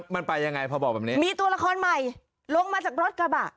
มันไปยังไงพอบอกแบบนี้มีตัวละครใหม่ลงมาจากรถกระบะ